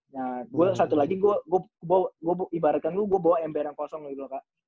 nah gue satu lagi gue ibaratkan lu gue bawa ember yang kosong loh gitu loh kak